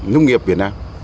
nông nghiệp việt nam